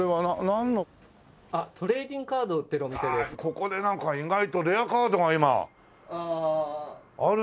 ここでなんか意外とレアカードが今あるんじゃないの？